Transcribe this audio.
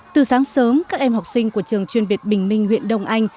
từ sáng sớm các em học sinh của trường chuyên biệt bình minh huyện đông anh